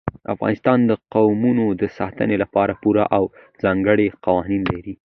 افغانستان د قومونه د ساتنې لپاره پوره او ځانګړي قوانین لري.